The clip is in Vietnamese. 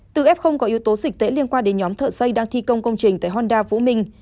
từ f có yếu tố dịch tễ liên quan đến nhóm thợ xây đang thi công công trình tại honda vũ minh